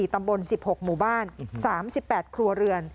ตำบล๑๖หมู่บ้าน๓๘ครัวเรือน